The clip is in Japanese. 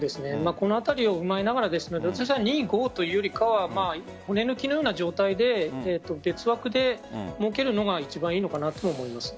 このあたりを踏まえながら２、５というよりは骨抜きのような状態で、別枠で設けるのが一番いいのかなと思います。